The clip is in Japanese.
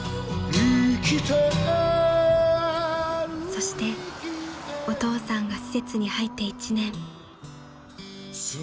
［そしてお父さんが施設に入って１年］